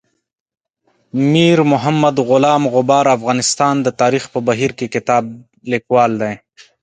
میر محمد غلام غبار افغانستان د تاریخ په بهیر کې کتاب لیکوال دی.